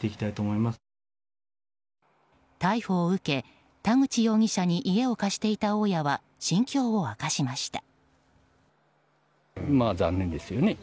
逮捕を受け、田口容疑者に家を貸していた大家は心境を明かしました。